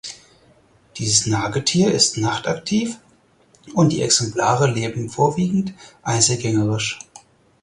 Dieses Nagetier ist nachtaktiv und die Exemplare leben vorwiegend einzelgängerisch.